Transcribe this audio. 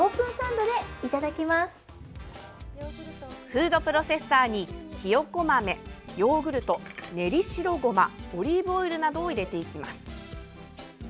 フードプロセッサーにひよこ豆、ヨーグルト練り白ごまオリーブオイルなどを入れていきます。